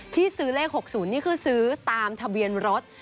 ที่ซื้อเลข๖๐นี่คือซื้อตามทะเบียนรถ